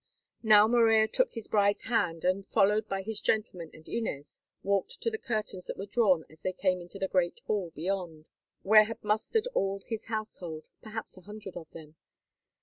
Now Morella took his bride's hand and, followed by his gentlemen and Inez, walked to the curtains that were drawn as they came into the great hall beyond, where had mustered all his household, perhaps a hundred of them.